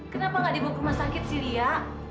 kenapa gak dibuka rumah sakit sih lia